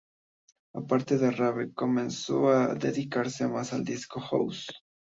Aparte del rave comenzó a dedicarse más al disco house.